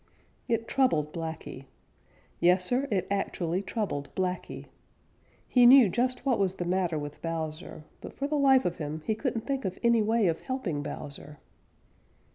It troubled Blacky. Yes, Sir, it actually troubled Blacky. He knew just what was the matter with Bowser, but for the life of him he couldn't think of any way of helping Bowser.